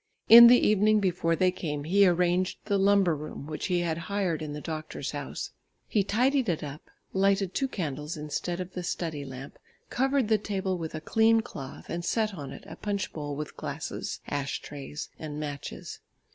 In the evening before they came, he arranged the lumber room which he had hired in the doctor's house. He tidied it up, lighted two candles instead of the study lamp, covered the table with a clean cloth and set on it a punch bowl with glass, ash trays and matches.